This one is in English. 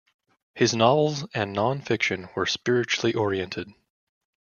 His novels and non-fiction were spiritually oriented.